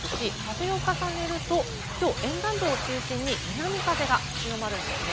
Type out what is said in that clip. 風を重ねると、きょう沿岸部を中心に南風が強まるんですね。